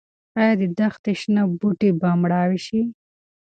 ايا د دښتې شنه بوټي به مړاوي شي؟